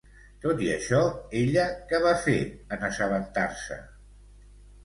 Tot i això, ella què va fer en assabentar-se?